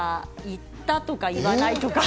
言ったとか言わないとか。